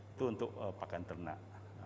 itu untuk pakan ternak